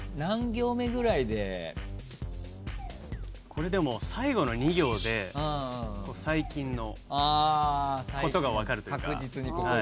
これでも最後の２行で最近のことが分かるというか。